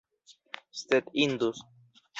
Sed indus!